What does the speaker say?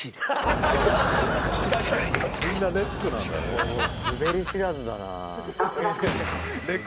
もうスベり知らずだな。